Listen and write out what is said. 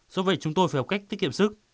do vậy chúng tôi phải học cách tiết kiệm sức